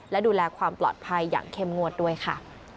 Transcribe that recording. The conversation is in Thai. และดูแลความปลอดภัยอย่างเข้มงวดด้วยค่ะ